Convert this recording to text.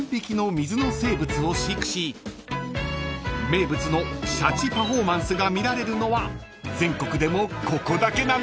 ［名物のシャチパフォーマンスが見られるのは全国でもここだけなんです］